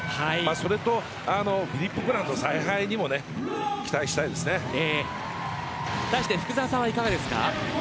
それと、フィリップ・ブランの采配にも対して福澤さんはいかがですか。